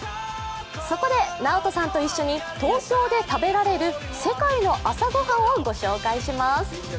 そこでナオトさんと一緒に東京で食べられる世界の朝ごはんをご紹介します。